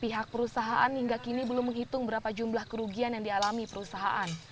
pihak perusahaan hingga kini belum menghitung berapa jumlah kerugian yang dialami perusahaan